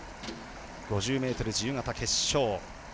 ５０ｍ自由形決勝。